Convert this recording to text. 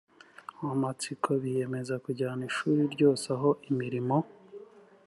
amatsiko biyemeza kujyana ishuri ryose aho imirimo